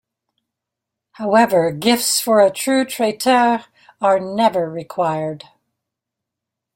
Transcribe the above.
However gifts for a true traiteur are never required.